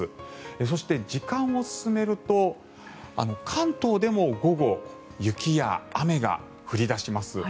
そして、時間を進めると関東でも午後雪や雨が降り出します。